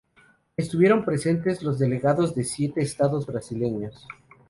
Estuvieron presentes los delegados de siete Estados brasileños.